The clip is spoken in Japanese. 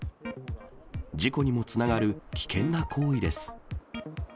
事故にもつながる危険な行為です。